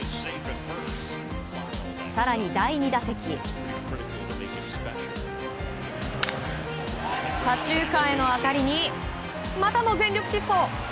更に第２打席左中間への当たりにまたも全力疾走。